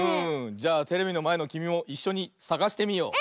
じゃあテレビのまえのきみもいっしょにさがしてみよう！